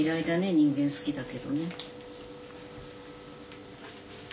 人間好きだけどね。